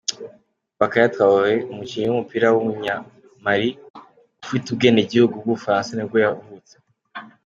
Bakaye Traoré, umukinnyi w’umupira w’umunyamali ufite n’ubwenegihugu bw’ubufaransa nibwo yavutse.